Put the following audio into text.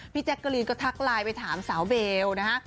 แจ๊กกะรีนก็ทักไลน์ไปถามสาวเบลนะฮะ